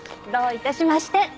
どういたしまして。